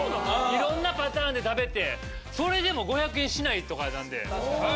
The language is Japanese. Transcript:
いろんなパターンで食べてそれでも５００円しないとかなんで。